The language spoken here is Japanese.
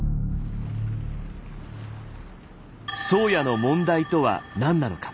「宗谷」の問題とは何なのか。